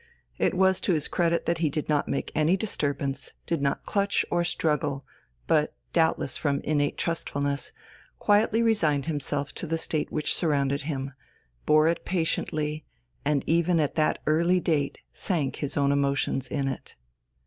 It was to his credit that he did not make any disturbance, did not clutch or struggle; but, doubtless from innate trustfulness, quietly resigned himself to the state which surrounded him, bore it patiently, and even at that early date sank his own emotions in it....